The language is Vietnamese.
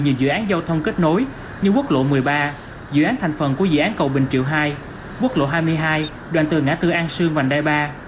nhiều dự án giao thông kết nối như quốc lộ một mươi ba dự án thành phần của dự án cầu bình triệu hai quốc lộ hai mươi hai đoàn từ ngã tư an sương vành đai ba